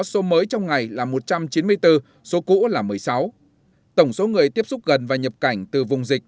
số mới trong ngày là một trăm chín mươi bốn số cũ là một mươi sáu tổng số người tiếp xúc gần và nhập cảnh từ vùng dịch